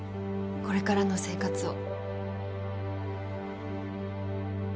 これからの生活を。